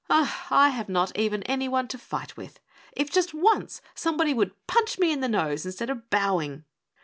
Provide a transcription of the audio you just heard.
"I have not even anyone to fight with. If just ONCE somebody would punch me in the nose instead of bowing."